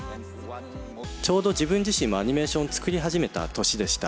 ちょうど自分自身もアニメーション作り始めた年でした。